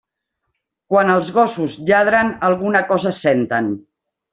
Quan els gossos lladren, alguna cosa senten.